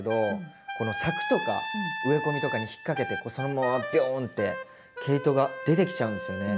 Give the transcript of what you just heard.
柵とか植え込みとかに引っ掛けてそのままびょんって毛糸が出てきちゃうんですよね。